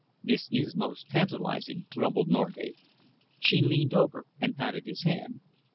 "This is most tantalising," grumbled Norgate. She leaned over and patted his hand.